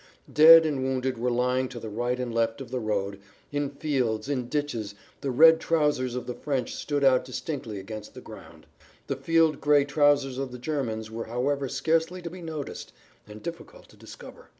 Dead and wounded were lying to the right and left of the road, in fields, in ditches; the red trousers of the French stood out distinctly against the ground; the field gray trousers of the Germans were however scarcely to be noticed and difficult to discover.